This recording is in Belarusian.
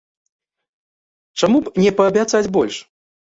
Чаму б не паабяцаць больш?